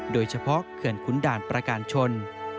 โดยเฉพาะเขื่อนฝั่งขุนด่านประกาศชน